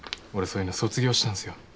俺そういうの卒業したんすよ。